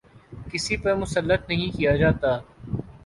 کسی پر مسلط نہیں کیا جاتا۔